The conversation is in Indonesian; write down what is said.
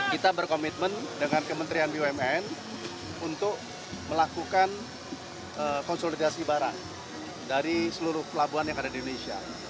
kita berkomitmen dengan kementerian bumn untuk melakukan konsolidasi barang dari seluruh pelabuhan yang ada di indonesia